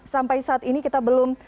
sampai saat ini kita belum